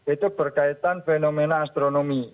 itu berkaitan fenomena astronomi